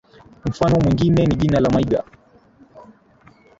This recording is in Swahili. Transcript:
Mfano mwingine ni jina la Maiga